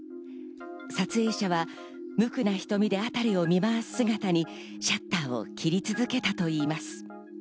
撮影者は無垢な瞳で辺りを見回す姿にシャッターを切り続けたといいます。